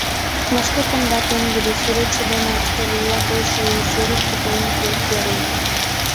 Вашке кумда, пеҥгыде, сӱретше дене Австралийла койшо ий серышке толын керылте.